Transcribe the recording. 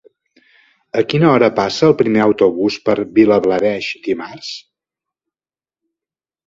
A quina hora passa el primer autobús per Vilablareix dimarts?